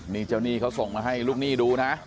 นี่เจ้าหนี้เขาส่งมาให้ลูกหนี้ดูนะ